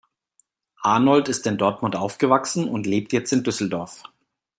Arnold ist in Dortmund aufgewachsen und lebt jetzt in Düsseldorf.